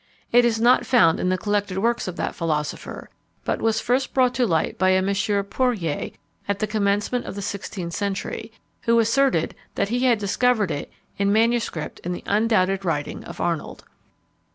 It is not found in the collected works of that philosopher; but was first brought to light by a M. Poirier, at the commencement of the sixteenth century, who asserted that he had discovered it in MS. in the undoubted writing of Arnold.